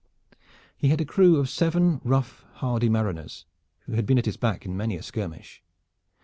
He had a crew of seven rough, hardy mariners, who had been at his back in many a skirmish.